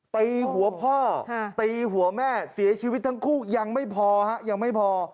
ตีหัวพ่อตีหัวแม่เสียชีวิตทั้งคู่ยังไม่พอ